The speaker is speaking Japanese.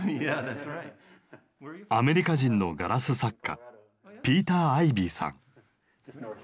アメリカ人のガラス作家ピーター・アイビーさん。